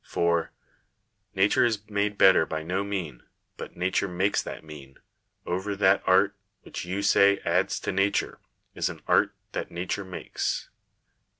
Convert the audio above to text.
For —• nature is made better by no mean, But nature makes that mean : oyer that art Which yon say adds to nature, is an art That nature makes."